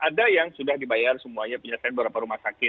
ada yang sudah dibayar semuanya penyelesaian beberapa rumah sakit